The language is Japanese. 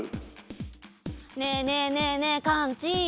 ねえねえねえねえカンチ。